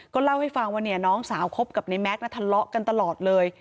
เล่าให้ฟังว่าเนี่ยน้องสาวคบกับในแม็กซ์ทะเลาะกันตลอดเลย